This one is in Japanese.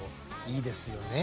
いいですよね。